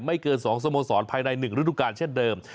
เกิน๒สโมสรภายใน๑ฤดูการเช่นเดิม